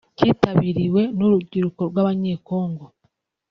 cyitabiriwe n’urubyiruko rw’abanyekongo